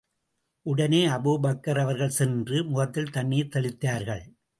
உடனே அபூபக்கர் அவர்கள் சென்று, முகத்தில் தண்ணீர் தெளித்தார்கள்.